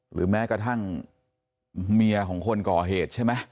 หรือแม้กระทั่งเมียของคนก่อเหตุใช่ไหม